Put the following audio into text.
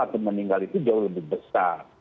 atau meninggal itu jauh lebih besar